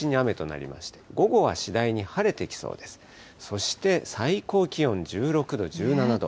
そして最高気温１６度、１７度。